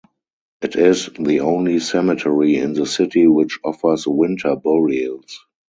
It is the only cemetery in the city which offers winter burials.